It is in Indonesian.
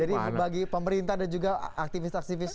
jadi bagi pemerintah dan juga aktivis aktivis lrc bisa diakses